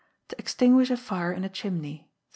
To Extinguish a Fire in a Chimney (3).